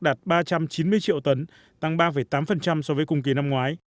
đạt ba trăm chín mươi triệu tấn tăng ba tám so với cùng kỳ năm ngoái